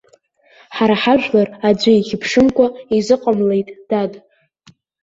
Ҳара ҳажәлар аӡәы ихьыԥшымкәа изыҟамлеит, дад.